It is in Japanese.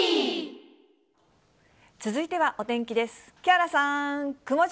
続いてはお天気です。